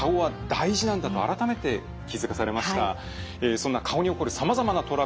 そんな顔に起こるさまざまなトラブル